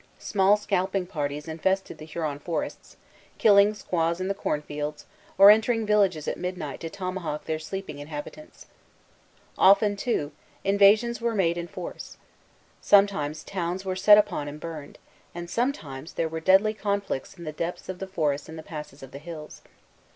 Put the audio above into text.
Small scalping parties infested the Huron forests, killing squaws in the cornfields, or entering villages at midnight to tomahawk their sleeping inhabitants. Often, too, invasions were made in force. Sometimes towns were set upon and burned, and sometimes there were deadly conflicts in the depths of the forests and the passes of the hills.